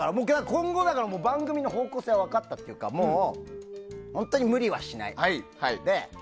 今後、番組の方向性は分かったというかもう本当に無理はしない。